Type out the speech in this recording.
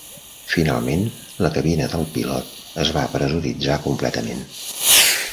Finalment, la cabina del pilot es va pressuritzar completament.